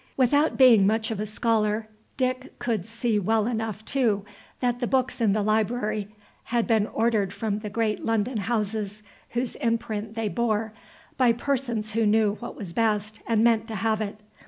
Without being much of a scholar, Dick could see well enough, too, that the books in the library had been ordered from the great London houses, whose imprint they bore, by persons who knew what was best and meant to have it.